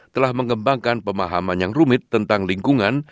telah mengembangkan pemahaman yang rumit tentang lingkungan